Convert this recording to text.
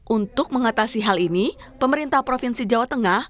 untuk mengatasi hal ini pemerintah provinsi jawa tengah